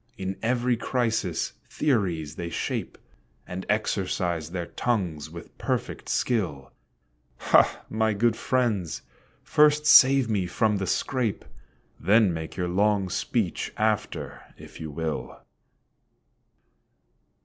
In every crisis theories they shape, And exercise their tongues with perfect skill; Ha! my good friends, first save me from the scrape, Then make your long speech after, if you will.